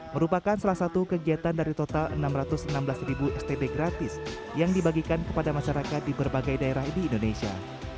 merupakan salah satu kegiatan dari total enam ratus enam belas stb gratis yang dibagikan kepada masyarakat di berbagai daerah di indonesia